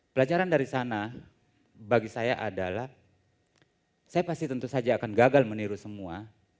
pelajaran dari sana bagi saya adalah saya pasti tentu saja akan gagal meniru semua